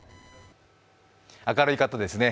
明るい方ですね。